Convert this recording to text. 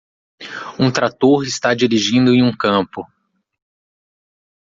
Um trator está dirigindo em um campo.